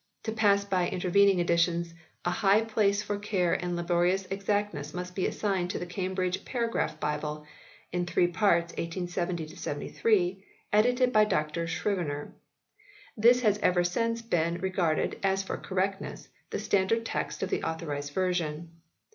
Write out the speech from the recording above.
To pass by intervening editions a high place for care and laborious exactness must be assigned to the Cam bridge Paragraph Bible (in three parts, 1870 3), edited by Dr Scrivener. This has ever since been regarded, as for correctness, the standard text of the Authorised Version.